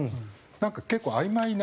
なんか結構あいまいな。